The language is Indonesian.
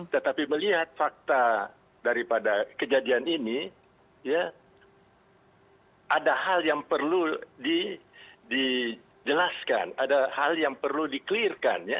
tetapi melihat fakta daripada kejadian ini ada hal yang perlu dijelaskan ada hal yang perlu di clear kan ya